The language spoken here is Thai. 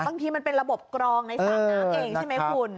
บางทีมันเป็นระบบกรองในสระน้ำเองใช่ไหมคุณ